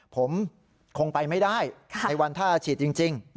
ผมคงไปไม่ได้ในวันถ้าฉีดจริง